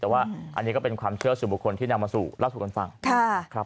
แต่ว่าอันนี้ก็เป็นความเชื่อสู่บุคคลที่นำมาสู่เล่าสู่กันฟังครับ